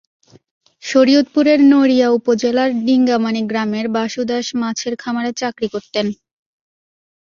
শরীয়তপুরের নড়িয়া উপজেলার ডিঙ্গামানিক গ্রামের বাসু দাস মাছের খামারে চাকরি করতেন।